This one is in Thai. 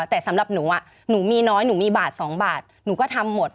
แต่สำหรับหนูหนูมีน้อยหนูมีบาท๒บาทหนูก็ทำหมด